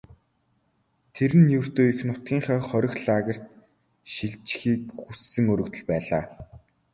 Тэр нь ердөө эх нутгийнхаа хорих лагерьт шилжихийг хүссэн өргөдөл байлаа.